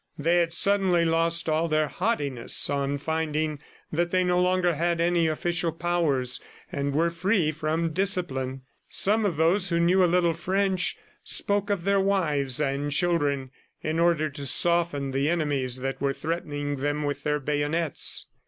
They had suddenly lost all their haughtiness on finding that they no longer had any official powers and were free from discipline. Some of those who knew a little French, spoke of their wives and children, in order to soften the enemies that were threatening them with their bayonets.